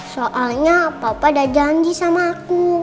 soalnya papa ada janji sama aku